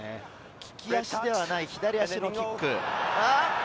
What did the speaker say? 利き足ではない左足のキック。